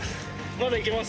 まだいけます？